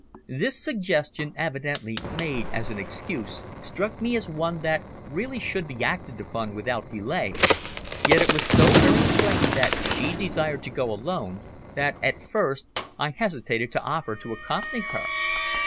This suggestion, evidently made as an excuse, struck me as one that really should be acted upon without delay, yet it was so very plain that she desired to go alone that at first I hesitated to offer to accompany her.